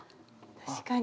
確かに。